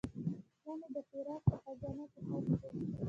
زړه مې د فراق په خزان کې ښخ شو.